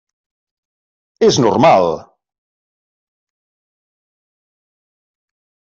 És normal.